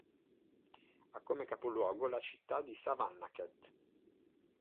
Ha come capoluogo la città di Savannakhet.